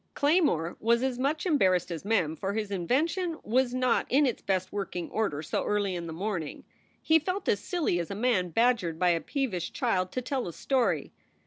Claymore was as much embarrassed as Mem, for his inven tion was not in its best working order so early in the morning. He felt as silly as a man badgered by a peevish child to tell a story.